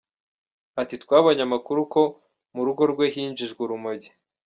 Ati “ Twabonye amakuru ko mu rugo rwe hinjijwe urumogi.